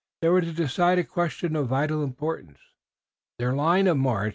They were to decide a question of vital importance their line of march.